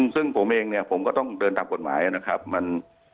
ซึ่งผมเองเนี่ยผมก็ต้องเดินตามกฎหมายนะครับ